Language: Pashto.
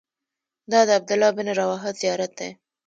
دا د عبدالله بن رواحه زیارت دی.